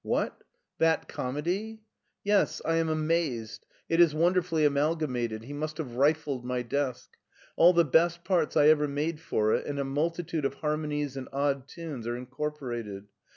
" What ? that comedy I " "Yes; I am amazed. It is wonderfully amalga mated ; he must have rifled my desk. All the best parts I ever made for it and a multitude of harmonies and odd tunes are incorporated.